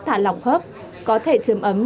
thả lỏng khớp có thể chấm ấm